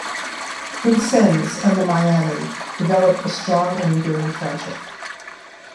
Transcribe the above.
Vincennes and the Miami developed a strong and enduring friendship.